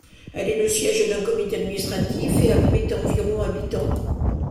Elle est le siège d'un comité administratif et abrite environ habitants.